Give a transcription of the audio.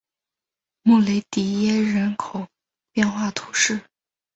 穆雷迪耶人口变化图示